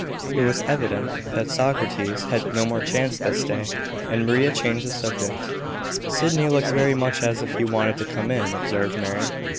It was evident that Socrates had no more chance this day, and Maria changed the subject. "Sydney looks very much as if he wanted to come in," observed Mary.